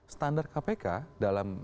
standar kpk dalam